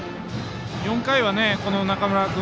４回は中村君